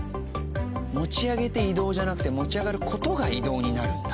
持ち上げて移動じゃなくて持ち上がる事が移動になるんだ。